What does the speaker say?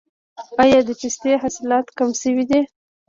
آیا د پستې حاصلات کم شوي دي؟